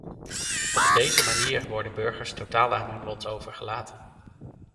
Op deze manier worden burgers totaal aan hun lot overgelaten.